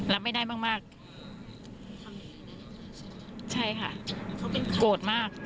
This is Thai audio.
รับไม่ได้มากมาก